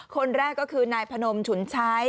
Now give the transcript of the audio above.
คนแรกก็คือนายพนมฉุนชัย